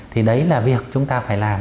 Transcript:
thì đấy là việc chúng ta phải làm